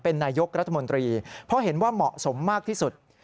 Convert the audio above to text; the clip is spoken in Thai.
เป็นนายกรัฐมนตรีเพราะเห็นว่าเหมาะสมมากที่สุด